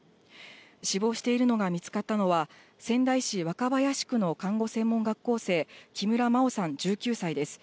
死亡しているのが見つかったのは、仙台市若林区の看護専門学校生、木村真緒さん１９歳です。